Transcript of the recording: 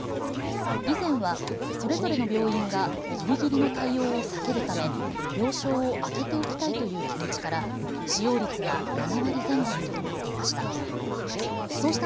以前はそれぞれの病院がぎりぎりの対応を避けるため病床を空けておきたいという気持ちから使用率が７割前後にとどまっていました。